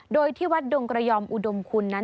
โดยที่วัดดงกระยอมอุดมคุณนั้น